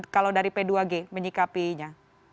kalau dari p dua g menyikapinya